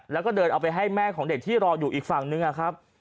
แล้วก็เดินเอาไปให้แม่ของเด็กที่รออยู่อีกฝั่งนึงนะครับ